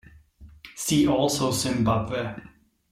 See also Zimbabwe.